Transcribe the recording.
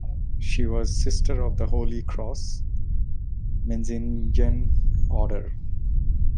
She was a Sister of the Holy Cross, Menzingen order.